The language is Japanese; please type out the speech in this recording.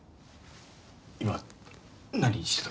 今何してた？